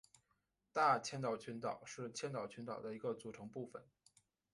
大千岛群岛是千岛群岛的一个组成部分。